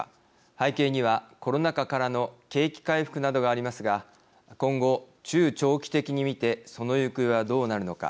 背景にはコロナ禍からの景気回復などがありますが今後中長期的に見てその行方はどうなるのか。